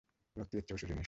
ভক্তি এর চেয়ে উঁচু জিনিষ।